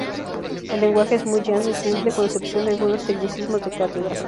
El lenguaje es muy llano y simple, con excepción de algunos tecnicismos de cátedra.